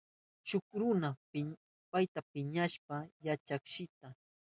Shuk runa payta piñachishpan yachakka shitan.